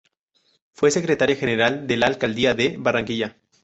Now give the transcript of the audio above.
Fue secretaria general de la Alcaldía de Barranquilla.